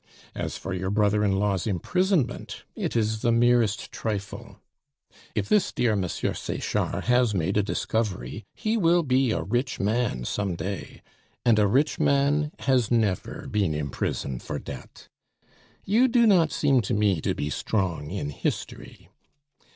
As for your brother in law's imprisonment, it is the merest trifle. If this dear M. Sechard has made a discovery, he will be a rich man some day, and a rich man has never been imprisoned for debt. You do not seem to me to be strong in history.